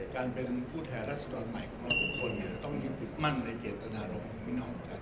การเป็นผู้แท้รัฐศิลป์ใหม่ของทุกคนเนี่ยต้องยึดมั่นในเจตนารมณ์ของพี่น้องประชาชน